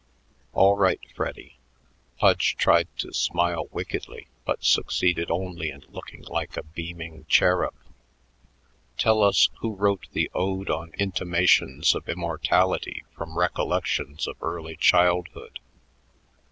"All right, Freddy." Pudge tried to smile wickedly but succeeded only in looking like a beaming cherub. "Tell us who wrote the 'Ode on Intimations of Immortality from Recollections of Early Childhood.'